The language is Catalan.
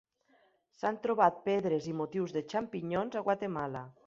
S'han trobat pedres i motius de xampinyons a Guatemala.